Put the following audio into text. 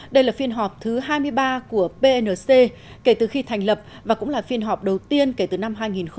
đây là phiên họp thứ hai mươi ba của pnc kể từ khi thành lập và cũng là phiên họp đầu tiên kể từ năm hai nghìn một mươi